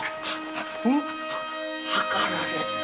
謀られた。